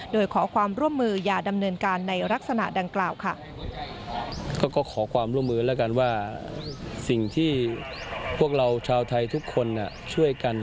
โดยขอความร่วมมืออย่าดำเนินการในลักษณะดังกล่าวค่ะ